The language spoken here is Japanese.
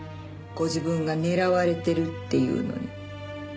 ご自分が狙われてるっていうのに。